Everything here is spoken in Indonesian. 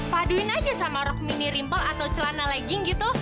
paduin aja sama rok mini rimpel atau celana lagi